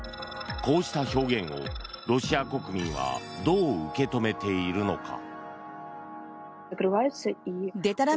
こうした表現をロシア国民はどう受け止めているのか。